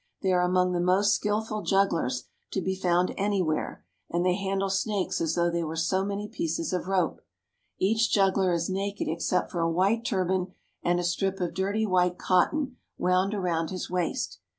They are among the most skillful' jugglers to be found any where, and they handle snakes as though they were so many pieces of rope. Each juggler is naked except for a white turban and a strip of dirty white cotton, wound around his waist.